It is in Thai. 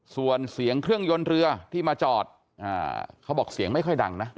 ส่วนเสียงเครื่องยนต์เรือที่มาจอดเขาบอกเสียงไม่ค่อยดังนะ